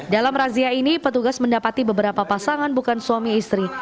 dalam razia ini petugas mendapati beberapa pasangan bukan suami istri